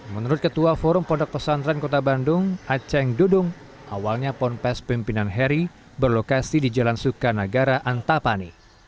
menurut ketua forum pondok pesantren kota bandung aceng dudung awalnya ponpes pimpinan heri berlokasi di jalan sukanagara antapani